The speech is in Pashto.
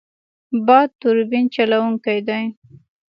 باد توربین چلوونکی دی.